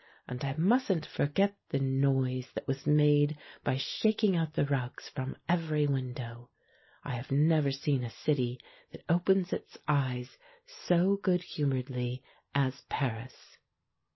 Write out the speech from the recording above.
And I mustn't forget the noise that was made by shaking out the rugs from every window. I have never seen a city that opens its eyes so good humouredly as 204 THE MAN WHO UNDERSTOOD WOMEN Paris.